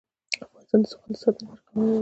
افغانستان د زغال د ساتنې لپاره قوانین لري.